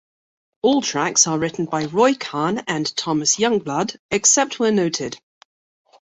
All tracks are written by Roy Khan and Thomas Youngblood, except where noted.